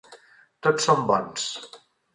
Tots són bons.